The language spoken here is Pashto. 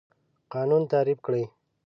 قانون تعریف کړئ.